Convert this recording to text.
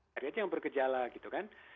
hanya yang bergejala gitu kan